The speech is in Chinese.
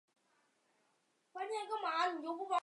李元镇是中国山西省长治市沁源县所辖的一个镇。